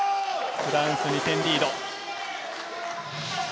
フランス、２点リード。